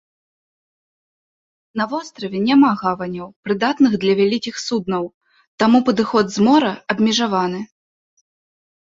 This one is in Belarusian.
На востраве няма гаваняў, прыдатных для вялікіх суднаў, таму падыход з мора абмежаваны.